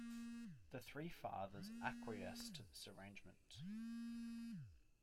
The three fathers acquiesce to this arrangement.